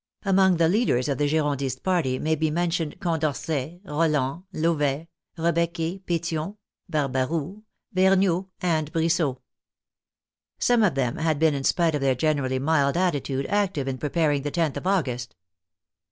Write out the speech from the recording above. Among the leaders of the Girondist party may be men tioned Condorcet, Roland, Louvet, Rebecqe, Petion, Bar baroux, Vergniaud, and Brissot. Some of them had been, in spite of their generally mild attitude, active in preparing the loth of August.